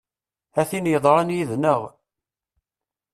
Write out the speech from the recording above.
A tin yeḍran yid-neɣ!